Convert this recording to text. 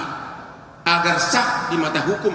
mereka meresap di mata hukum